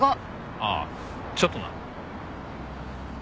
ああちょっとな。